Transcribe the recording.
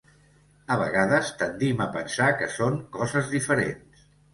A vegades tendim a pensar que són coses diferents.